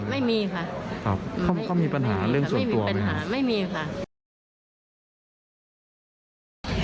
ไม่มีค่ะครับเขามีปัญหาเรื่องชุดไม่มีปัญหาไม่มีค่ะ